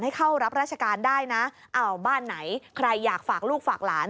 ให้เข้ารับราชการได้นะอ้าวบ้านไหนใครอยากฝากลูกฝากหลาน